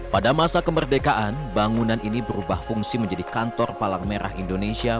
pada masa kemerdekaan bangunan ini berubah fungsi menjadi kantor palang merah indonesia